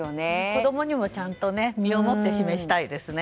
子供にもちゃんと身をもって示したいですね。